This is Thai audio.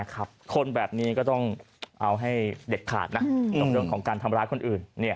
คนแบบนี้ก็ต้องเอาให้เด็ดขาดนะกับเรื่องของการทำร้ายคนอื่น